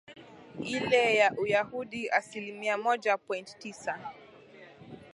ile ya Uyahudi asilimia moja point tisa